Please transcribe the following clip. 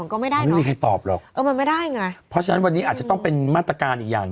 ก็ไม่ได้ไม่มีใครตอบหรอกเออมันไม่ได้ไงเพราะฉะนั้นวันนี้อาจจะต้องเป็นมาตรการอีกอย่าง